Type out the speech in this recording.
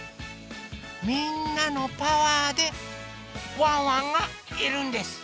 みんなのパワーでワンワンがいるんです。